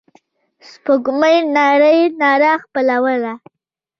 سپوږمۍ نرۍ رڼا خپروله.